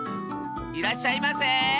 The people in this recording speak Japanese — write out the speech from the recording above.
いらっしゃいませ！